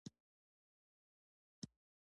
چنډخه حشرات خوري